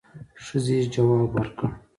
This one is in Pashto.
ښځې ځواب ورکړ.